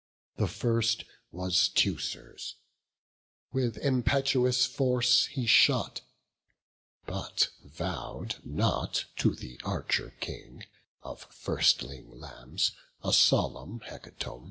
The first was Teucer's; with impetuous force He shot; but vow'd not to the Archer King Of firstling lambs a solemn hecatomb.